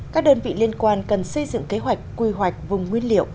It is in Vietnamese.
các đơn vị liên quan cần xây dựng kế hoạch quy hoạch vùng nguyên liệu